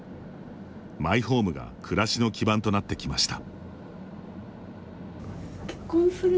マイホームが暮らしの基盤となってきました。